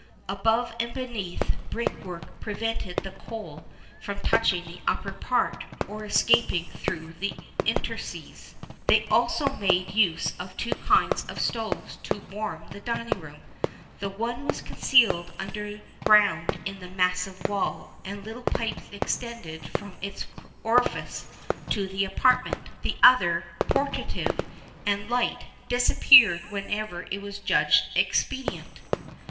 Above and beneath, brick work prevented the coal from touching the upper part, or escaping through the interstices.[XXXI 27] They also made use of two kinds of stoves to warm the dining room the one was concealed under ground in the massive wall, and little pipes extended from its orifice to the apartment; the other, portative and light, disappeared whenever it was judged expedient.